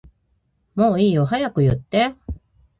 もういいよって早く言って